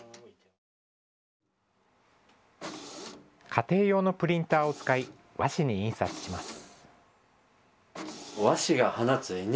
家庭用のプリンターを使い和紙に印刷します。